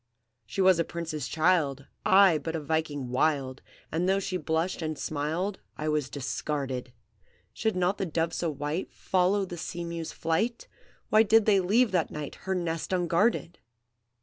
"She was a Prince's child, I but a Viking wild, And though she blushed and smiled, I was discarded! Should not the dove so white Follow the sea mew's flight? Why did they leave that night Her nest unguarded?